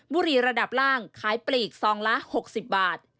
บุรีระดับล่างขายปลีกซองละ๖๐บาท